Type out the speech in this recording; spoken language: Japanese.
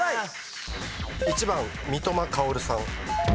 １番三笘薫さん。